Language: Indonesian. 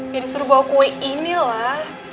ya disuruh bawa kue inilah